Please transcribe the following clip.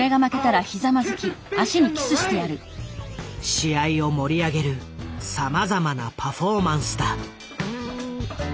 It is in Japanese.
試合を盛り上げるさまざまなパフォーマンスだ。